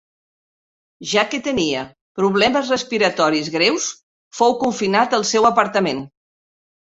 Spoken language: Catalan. Ja que tenia problemes respiratoris greus fou confinat al seu apartament.